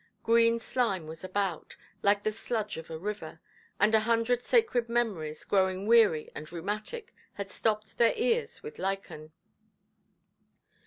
Green slime was about, like the sludge of a river; and a hundred sacred memories, growing weary and rheumatic, had stopped their ears with lichen.